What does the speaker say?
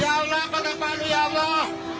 ya allah menemani ya allah